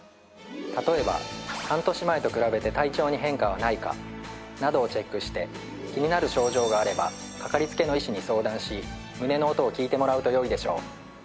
例えば半年前と比べて体調に変化はないかなどをチェックして気になる症状があればかかりつけの医師に相談し胸の音を聴いてもらうとよいでしょう。